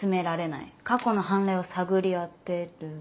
過去の判例を探り当てる。